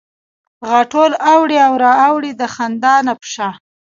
غاټول اوړي او را اوړي د خندا نه په شا